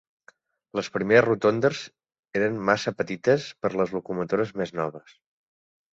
Les primeres rotondes eren massa petites per a les locomotores més noves.